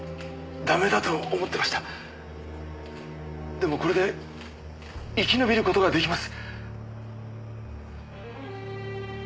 でもこれで生き延びる事が出来ます。